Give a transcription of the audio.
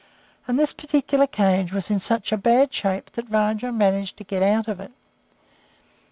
And this particular cage was in such bad shape that Rajah managed to get out of it.